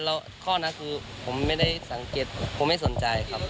แล้วข้อนั้นคือผมไม่ได้สังเกตผมไม่สนใจครับ